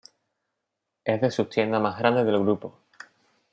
Es de sus tiendas más grandes del grupo.